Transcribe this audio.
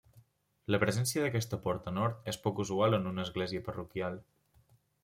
La presència d'aquesta porta nord és poc usual en una església parroquial.